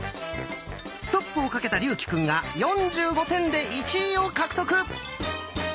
ストップをかけた竜暉くんが４５点で１位を獲得。